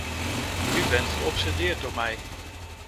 U bent geobsedeerd door mij.